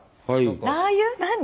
ラー油？何？